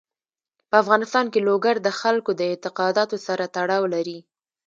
په افغانستان کې لوگر د خلکو د اعتقاداتو سره تړاو لري.